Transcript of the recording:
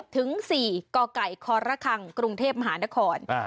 ถึงสี่ก่อก่ายคอร์ระคังกรุงเทพมหานครอ่า